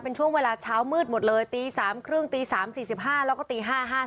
เป็นช่วงเวลาเช้ามืดหมดเลยตี๓๓๐ตี๓๔๕แล้วก็ตี๕๕